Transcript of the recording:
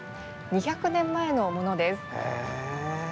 ２００年前のものです。